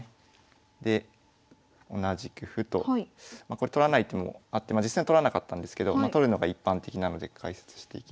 これ取らないともう実際取らなかったんですけど取るのが一般的なので解説していきます。